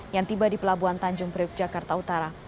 yang tiba di pelabuhan tanjung priuk jakarta utara